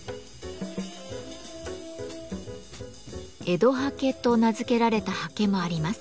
「江戸刷毛」と名付けられた刷毛もあります。